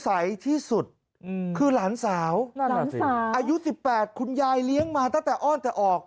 อายุ๑๘คุณยายเลี้ยงมาตั้งแต่อ้อนแต่ออก